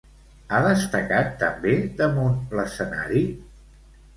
Ha destacat també damunt l'escenari?